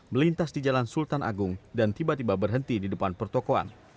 melintas di jalan sultan agung dan tiba tiba berhenti di depan pertokoan